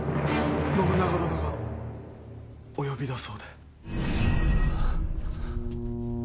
信長殿がお呼びだそうで。